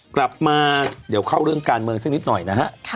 กลับมาเดี๋ยวเข้าเรื่องการเมืองสักนิดหน่อยนะฮะ